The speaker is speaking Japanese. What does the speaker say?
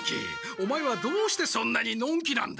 オマエはどうしてそんなにのんきなんだ！？